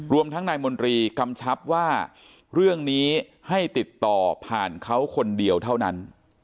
รวมทั้งนายมนตรีกำชับว่าเรื่องนี้ให้ติดต่อผ่านเขาคนเดียวเท่านั้น